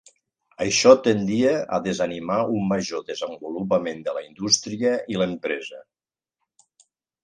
Això tendia a desanimar un major desenvolupament de la indústria i l'empresa.